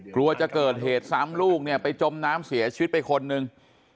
กลัวจะเกิดเหตุซ้ำลูกเนี่ยไปจมน้ำเสียชีวิตไปคนนึง